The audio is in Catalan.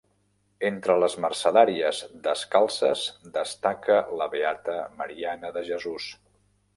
Entre les mercedàries descalces destaca la beata Mariana de Jesús.